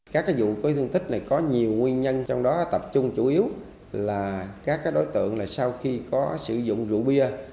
các vụ có thương tích này có nhiều nguyên nhân trong đó tập trung chủ yếu là các đối tượng sau khi có sử dụng rượu bia